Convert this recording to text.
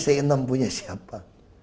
c enam punya siapa